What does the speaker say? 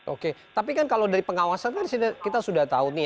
oke tapi kan kalau dari pengawasan kan kita sudah tahu nih